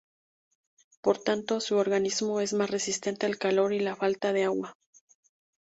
Por tanto, su organismo es más resistente al calor y la falta de agua.